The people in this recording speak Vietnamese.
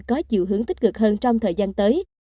có chiều hướng tích cực hơn trong thời gian tới